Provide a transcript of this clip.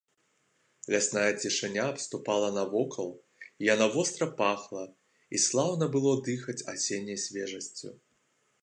Лясная цішыня абступала навокал, яна востра пахла, і слаўна было дыхаць асенняй свежасцю.